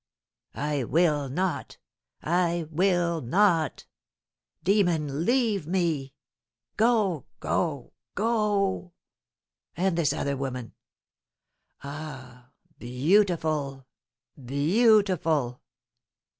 I will not I will not! Demon, leave me! Go go go! And this other woman? ah, beautiful, beautiful!